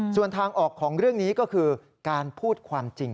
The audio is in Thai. ส่วนทางออกของเรื่องนี้ก็คือการพูดความจริง